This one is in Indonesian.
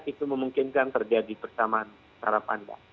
itu memungkinkan terjadi persamaan cara pandang